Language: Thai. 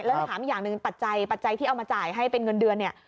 และถามอย่างหนึ่งปัจจัยที่เอามาจ่ายให้เป็นเงินเดือน